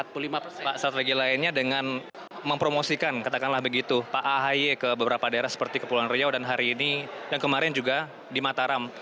pak strategi lainnya dengan mempromosikan katakanlah begitu pak ahaye ke beberapa daerah seperti kepulauan riau dan hari ini dan kemarin juga di mataram